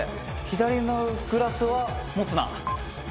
左のグラスは持つな。